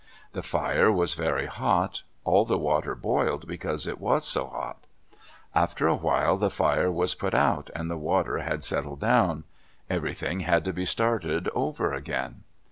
The fire was very hot. All the water boiled because it was so hot. After a while the fire was put out, and the water had settled down. Everything had to be started over again.